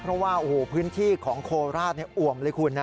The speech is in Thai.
เพราะว่าโอ้โหพื้นที่ของโคลราชเนี่ยอวมเลยคุณนะ